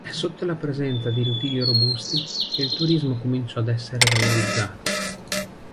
È sotto la presidenza di Rutilio Robusti che il turismo cominciò ad essere valorizzato.